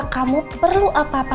kamu perlu apa apa